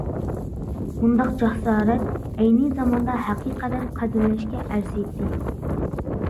مۇنداق جاسارەت ئەينى زاماندا ھەقىقەتەن قەدىرلەشكە ئەرزىيتتى.